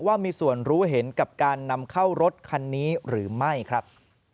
ว่ามีส่วนรู้เห็นกับการนำเข้ารถคันนี้หรือไม่ครับ